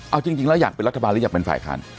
เอาจริงแล้วอยากเป็นรัฐบาลหรืออยากเป็นฝ่ายค้าน